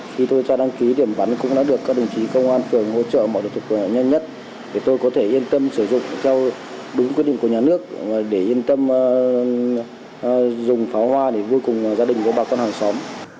khi tôi cho đăng ký điểm bắn cũng đã được các đồng chí công an phường hỗ trợ mọi điều kiện nhanh nhất để tôi có thể yên tâm sử dụng theo đúng quyết định của nhà nước để yên tâm dùng pháo hoa để vui cùng gia đình với bà con hàng xóm